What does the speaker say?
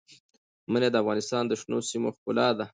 منی د افغانستان د شنو سیمو ښکلا ده.